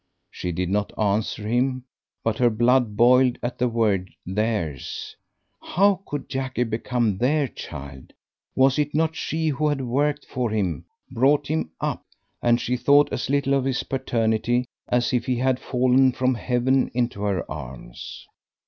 She did not answer him, but her blood boiled at the word "theirs." How could Jackie become their child? Was it not she who had worked for him, brought him up? and she thought as little of his paternity as if he had fallen from heaven into her arms.